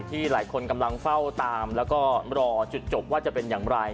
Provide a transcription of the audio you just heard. หลายคนกำลังเฝ้าตามแล้วก็รอจุดจบว่าจะเป็นอย่างไร